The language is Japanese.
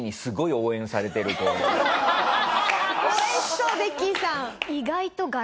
応援しそうベッキーさん。